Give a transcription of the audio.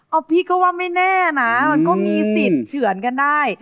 เอาพี่ก็ว่าไม่แน่นะมันก็มีสิทธิ์เฉือนกันได้